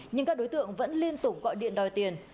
nhưng các đối tượng vẫn liên tục gọi điện đòi tiền